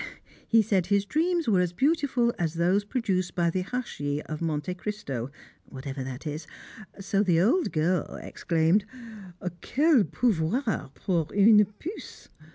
He said his dreams were as beautiful as those produced by the Hachis of Monte Cristo (whatever that is), so the old girl exclaimed, "Quel pouvoir pour une puce!"